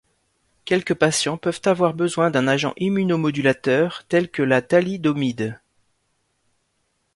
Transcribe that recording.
Quelques patients peuvent avoir besoin d'un agent immunomodulateur tel que la thalidomide.